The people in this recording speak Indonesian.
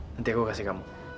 nanti aku kasih kamu